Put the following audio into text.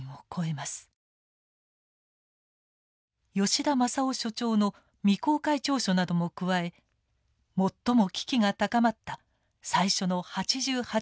吉田昌郎所長の未公開調書なども加え最も危機が高まった最初の８８時間を映像化しました。